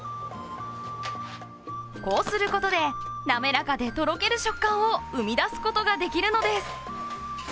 こうすることで滑らかでとろける食感を生み出すことができるのです。